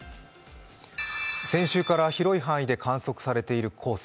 先週から広い範囲で観測されている黄砂。